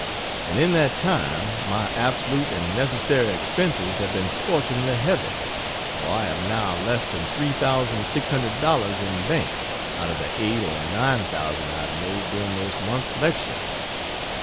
And in that time my absolute and necessary expenses have been scorchingly heavy for I have now less than three thousand six hundred dollars in bank out of the eight or nine thousand I have made during those months, lecturing.